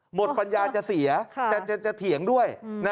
ปัญญาจะเสียแต่จะเถียงด้วย